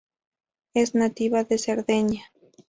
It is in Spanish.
Es nativa de Cerdeña.